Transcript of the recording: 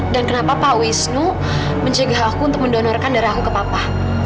dan kenapa pak wisnu menjaga aku untuk mendonorkan darahku ke papa